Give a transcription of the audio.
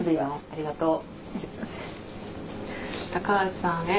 ありがとう。